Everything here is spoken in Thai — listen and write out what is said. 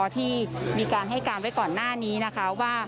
ที่มีการให้การไว้ก่อนหน้านี้นะคะว่า